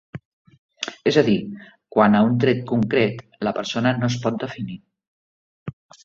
És a dir, quant a un tret concret, la persona no es pot definir.